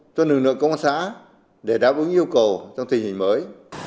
cho lực lượng công an xã để đáp ứng yêu cầu trong tình hình mới